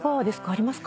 ありますか？